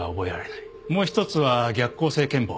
もう一つは逆向性健忘。